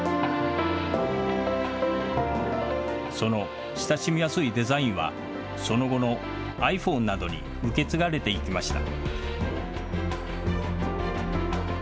その親しみやすいデザインは、その後のｉＰｈｏｎｅなどに受け継がれていきました。